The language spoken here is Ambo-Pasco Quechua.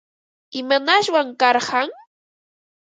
¿Imanashwan karqan?